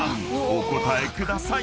お答えください］